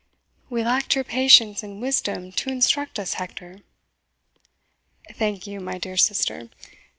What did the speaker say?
"We lacked your patience and wisdom to instruct us, Hector." "Thank you, my dear sister.